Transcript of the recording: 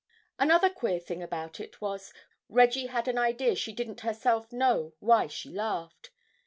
Another queer thing about it was, Reggie had an idea she didn't herself know why she laughed.